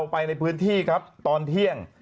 ไปในพื้นที่ครับตอนเที่ยง